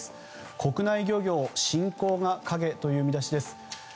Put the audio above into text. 国内漁業、侵攻が影という見出しです。